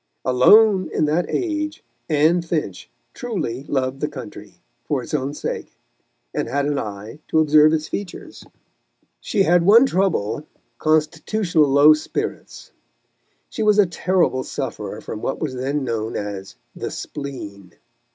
Alone in that age Anne Finch truly loved the country, for its own sake, and had an eye to observe its features. She had one trouble, constitutional low spirits: she was a terrible sufferer from what was then known as "The Spleen."